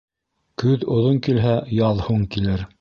Көҙ оҙон килһә, яҙ һуң килер.